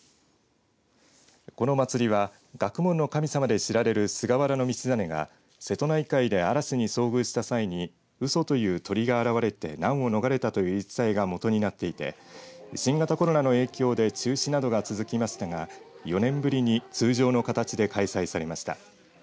この祭りは学問の神様で知られる菅原道真が瀬戸内海で嵐に遭遇した際にうそという鳥が現れて難を逃れたという言い伝えが元になっていて新型コロナの影響で中止などが続きましたが４年ぶりに通常の形で開催されました。